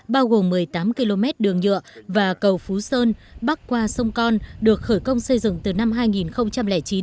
bao gồm một mươi tám km đường nhựa và cầu phú sơn bắc qua sông con được khởi công xây dựng từ năm hai nghìn chín